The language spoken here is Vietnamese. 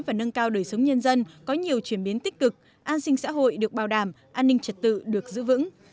và nâng cao đời sống nhân dân có nhiều chuyển biến tích cực an sinh xã hội được bảo đảm an ninh trật tự được giữ vững